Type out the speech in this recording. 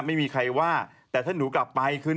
ไม่มีใครว่าแต่ถ้าหนูกลับไปคืน